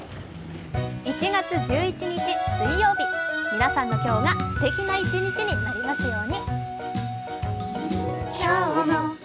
１月１１日水曜日皆さんの今日がすてきな一日になりますように。